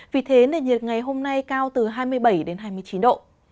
vì thế nền nhiệt ngày hôm nay cao từ hai mươi bảy đến hai mươi chín độ